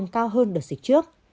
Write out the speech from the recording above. cao hơn đợt dịch trước